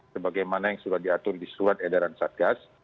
sebagaimana yang sudah diatur di surat edaran satgas